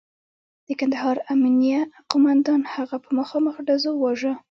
د کندهار امنیه قوماندان هغه په مخامخ ډزو وواژه.